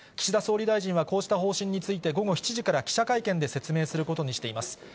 岸田総理大臣はこうした方針について、午後７時から記者会見で説明することにしています。